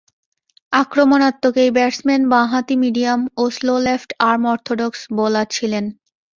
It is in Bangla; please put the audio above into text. আক্রমণাত্মক এই ব্যাটসম্যান বাঁহাতি মিডিয়াম ও slow left arm orthodox bowler ছিলেন।